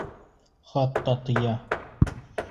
Хатта тыя!